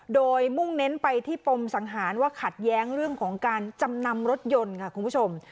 โดยมุ่งเน้นไปที่ปมสังหารว่าขัดแย้งเรื่องของการจำนำรถยนต์ค่ะคุณผู้ชม